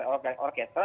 kembali ke osp orkestra